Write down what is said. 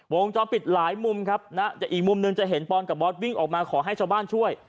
จอปิดหลายมุมครับนะอีกมุมหนึ่งจะเห็นปอนกับบอสวิ่งออกมาขอให้ชาวบ้านช่วย